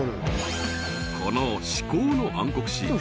この至高の暗黒シート